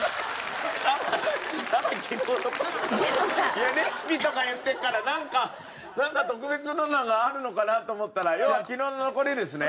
いやレシピとか言ってるからなんか特別なのがあるのかな？って思ったら要は昨日の残りですね？